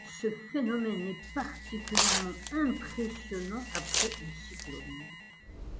Ce phénomène est particulièrement impressionnant après un cyclone.